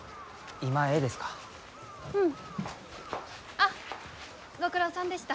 あっご苦労さんでした。